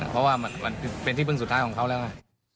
เพราะว่ามันเป็นที่พึ่งสุดท้ายของเขาแล้วไง